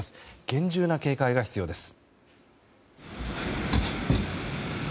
厳重な警戒が必要です。